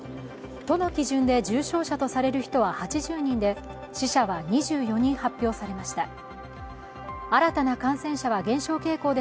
都の基準で重症者とされる人は８０人で死者は２４人発表されました。